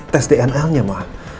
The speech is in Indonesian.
tes dnlnya mah